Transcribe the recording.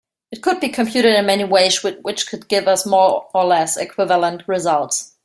It could be computed in many ways which would give more or less equivalent results.